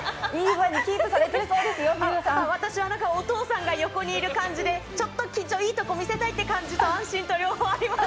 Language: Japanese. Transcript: キープされていお父さんが横にいる感じで、ちょっといいとこ見せたいっていう気持ちと、安心と両方あります。